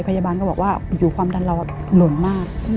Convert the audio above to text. พยาบาลก็บอกว่าอยู่ความดันเราหล่นมาก